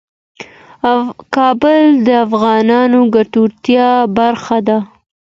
کابل د افغانانو د ګټورتیا برخه ده.